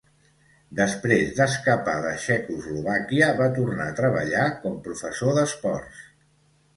Després d'escapar de Txecoslovàquia, va tornar a treballar com professor d'esports.